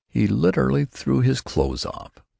He literally threw his clothes off.